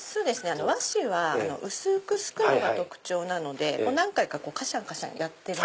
和紙は薄くすくのが特徴なので何回かカシャカシャやってる。